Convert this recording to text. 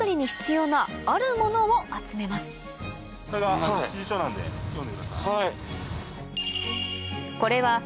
これからこれが指示書なんで読んでください。